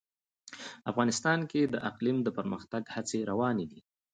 افغانستان کې د اقلیم د پرمختګ هڅې روانې دي.